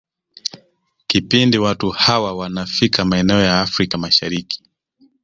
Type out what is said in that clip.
Kipindi watu hawa wanafika maeneo ya Afrika Mashariki